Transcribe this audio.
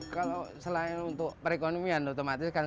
kalau selain untuk perekonomian otomatis kan